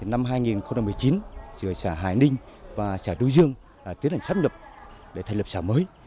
năm hai nghìn một mươi chín giữa xã hải ninh và xã đuôi dương tiến hành sắp nhập để thành lập xã mới